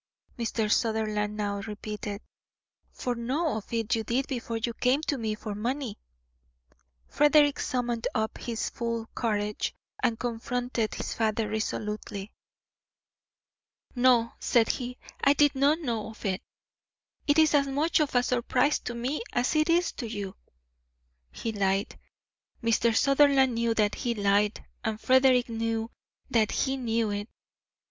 Mr. Sutherland now repeated. "For know of it you did before you came to me for money." Frederick summoned up his full courage and confronted his father resolutely. "No," said he, "I did not know of it. It is as much of a surprise to me as it is to you." He lied. Mr. Sutherland knew that he lied and Frederick knew that he knew it.